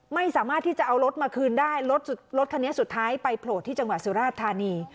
ไม่สามารถที่จะเอารถมาคืนได้รถรถคันนี้สุดท้ายไปโผล่ที่จังหวัดสุราชธานี